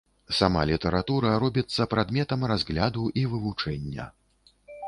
Сама літаратура робіцца прадметам разгляду і вывучэння.